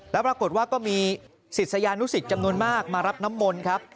แล้วปรากฏว่าก็มีศิษยานุสิตจำนวนมากมารับน้ำมนต์ครับ